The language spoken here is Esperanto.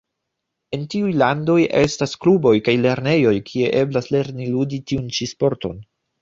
En tiuj landoj estas kluboj kaj lernejoj, kie eblas lerni ludi tiun ĉi sporton.